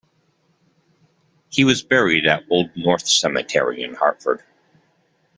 He was buried at Old North Cemetery in Hartford.